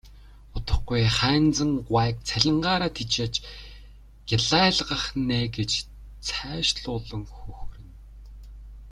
Удахгүй Хайнзан гуайг цалингаараа тэжээж гялайлгах нь ээ гэж цаашлуулан хөхөрнө.